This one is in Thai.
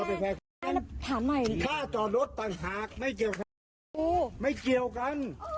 ที่มันไม่คิดากลับมันไม่เคยเบอร์